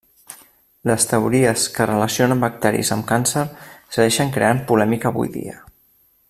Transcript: Les teories que relacionen bacteris amb càncer segueixen creant polèmica avui dia.